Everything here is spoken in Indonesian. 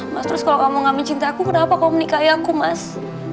mas terus kalau kamu gak mencintai cinta aku kenapa kau menikahi aku mas